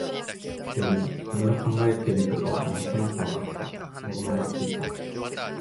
でも、君の考えていることはなんとなくわかった、想像がついた